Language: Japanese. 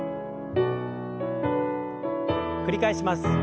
繰り返します。